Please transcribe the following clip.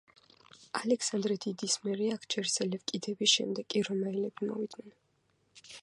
ალექსანდრე დიდის მერე აქ ჯერ სელევკიდები, შემდეგ კი რომაელები მოვიდნენ.